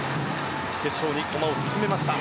決勝に駒を進めました。